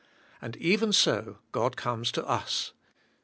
And even so God comes to us.